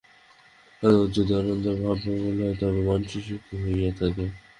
যদি আনন্দের ভাব প্রবল হয়, তবে মানুষ সুখী হইয়া থাকে।